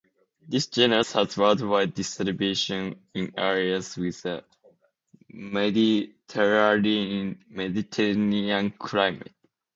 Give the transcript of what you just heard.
This genus has worldwide distribution in areas with a Mediterranean climate.